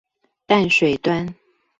淡水端